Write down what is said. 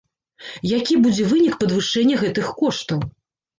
Які будзе вынік падвышэння гэтых коштаў?